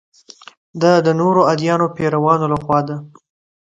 دا د نورو ادیانو پیروانو له خوا ده.